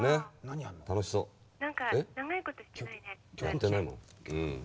やってないのうん。